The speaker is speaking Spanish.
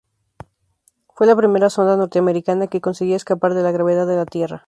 Fue la primera sonda norteamericana que conseguía escapar de la gravedad de la tierra.